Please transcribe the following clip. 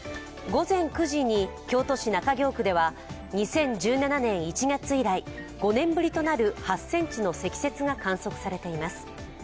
午前９時に京都市中京区では２０１７年１月以来、５年ぶりとなる８ｃｍの積雪が観測されています。